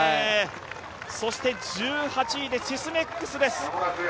そして１８位でシスメックスです。